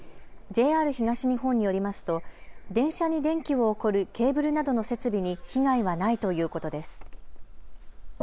ＪＲ東日本によりますと電車に電気を送るケーブルなどの設備に被害はないということです。